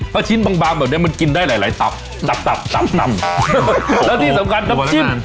เพราะชิ้นบางบางแบบนี้มันกินได้หลายหลายตับตับตับตับตับแล้วที่สำคัญน้ำจิ้ม